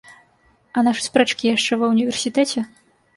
А нашы спрэчкі яшчэ ва універсітэце?